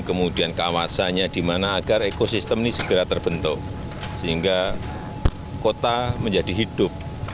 kemudian kawasannya di mana agar ekosistem ini segera terbentuk sehingga kota menjadi hidup